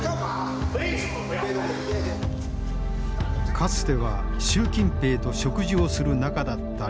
かつては習近平と食事をする仲だった李鋭。